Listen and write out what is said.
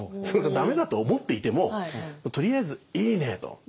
それがダメだと思っていてもとりあえずいいねと。